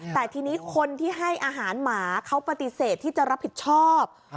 แต่ทีนี้คนที่ให้อาหารหมาเขาปฏิเสธที่จะรับผิดชอบ